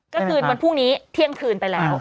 ก็คือวันพรุ่งนี้เที่ยงคืนไปแล้ว